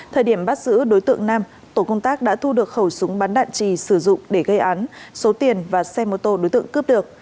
thời điểm bắt giữ đối tượng nam tổ công tác đã thu được khẩu súng bắn đạn trì sử dụng để gây án số tiền và xe mô tô đối tượng cướp được